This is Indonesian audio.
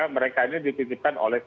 mereka ini dititipkan oleh